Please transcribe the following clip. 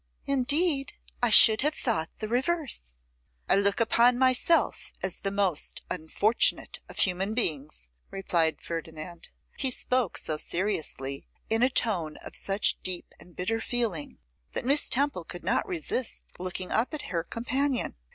'Indeed, I should have thought the reverse.' 'I look upon myself as the most unfortunate of human beings,' replied Ferdinand. He spoke so seriously, in a tone of such deep and bitter feeling, that Miss Temple could not resist looking up at her companion.